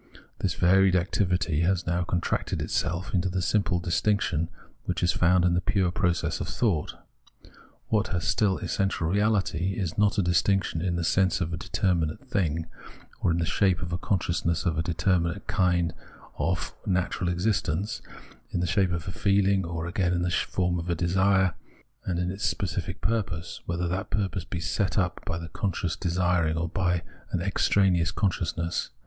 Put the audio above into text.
This varied ac tivity has now contracted itself into the simple distinction which is found in the pure process of thought. What has still essential reahty is not a distinction in the sense of a determinate thing, or in the shape of a con sciousness of a determinate kind of natural existence, in the shape of a feehng, or again in the form of desire and its specific purpose, whether that purpose be set up by the consciousness desiring or by an extraneous consciousness.